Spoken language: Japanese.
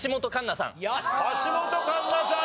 橋本環奈さん